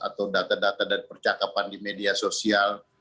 atau data data dan percakapan di media sosial